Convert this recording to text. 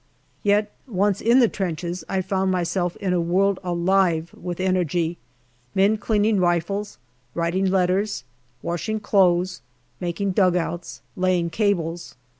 Yet once in the trenches I found myself in a world alive with energy men cleaning rifles, writing letters, washing clothes, making dugouts, laying cables.